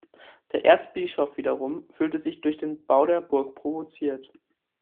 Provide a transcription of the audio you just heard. Der Erzbischof wiederum fühlte sich durch den Bau der Burg provoziert.